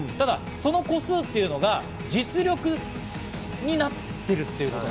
ただ、その個数というのが実力になってる。